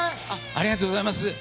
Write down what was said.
ありがとうございます。